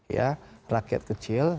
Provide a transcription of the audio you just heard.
ya rakyat kecil